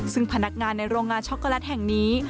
ซึ่งพนักงานในโรงงานช็อกโกแลตแห่งนี้